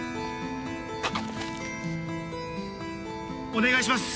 お願いします。